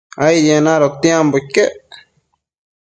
Aidien adotiambo iquec